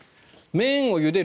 麺をゆでる